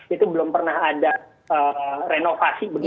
itu belum pernah ada renovasi begitu ya